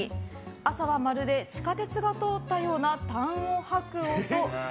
朝はまるで地下鉄が通ったようなたんを吐く音。